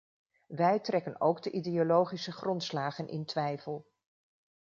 Wij trekken ook de ideologische grondslagen in twijfel.